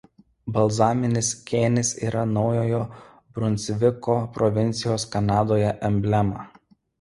Balzaminis kėnis yra Naujojo Brunsviko provincijos Kanadoje emblema.